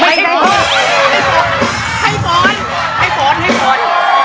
ไม่ใช่โฝนให้ฝนให้ฝนให้ฝน